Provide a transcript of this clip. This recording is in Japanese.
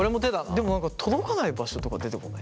でも何か届かない場所とか出てこない？